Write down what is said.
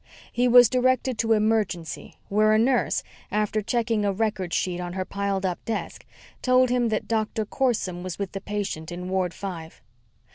He was directed to Emergency where a nurse, after checking a record sheet on her piled up desk, told him that Doctor Corson was with the patient in Ward Five.